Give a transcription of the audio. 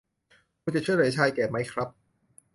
คุณจะช่วยเหลือชายแก่มั้ยครับ